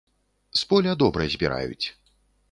З поля добра збіраюць.